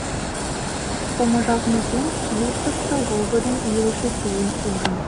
Помыжалтмекем, юртышто волгыдын йӱлышӧ тулым ужым.